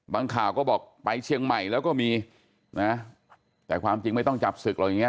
ข่าวก็บอกไปเชียงใหม่แล้วก็มีนะแต่ความจริงไม่ต้องจับศึกหรอกอย่างเง